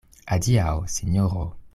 Adiaŭ, sinjoro.